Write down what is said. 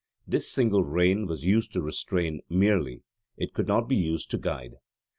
This single rein was used to restrain merely: it could not be used to guide.